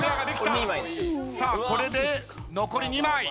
さあこれで残り２枚。